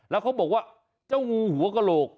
แล้วเขาบอกว่าเจ้างูหัวกระโหลก